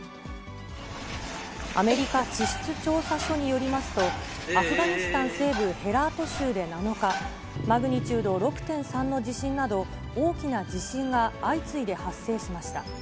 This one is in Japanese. アメリカ地質調査所によりますと、アフガニスタン西部ヘラート州で７日、マグニチュード６．３の地震など、大きな地震が相次いで発生しました。